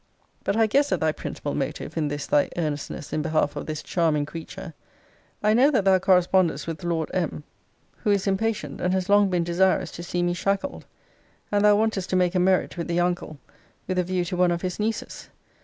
But I guess at thy principal motive in this thy earnestness in behalf of this charming creature. I know that thou correspondest with Lord M. who is impatient, and has long been desirous to see me shackled. And thou wantest to make a merit with the uncle, with a view to one of his nieces.